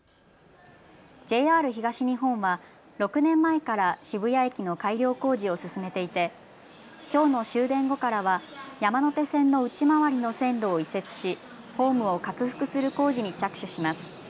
ＪＲ東日本は６年前から渋谷駅の改良工事を進めていてきょうの終電後からは山手線の内回りの線路を移設しホームを拡幅する工事に着手します。